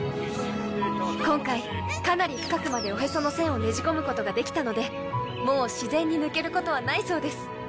今回かなり深くまでおへその栓をねじ込むことができたのでもう自然に抜けることはないそうです。